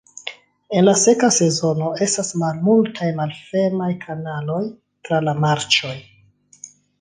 En la seka sezono estas malmultaj malfermaj kanaloj tra la marĉoj.